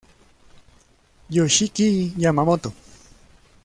Yoshiki Yamamoto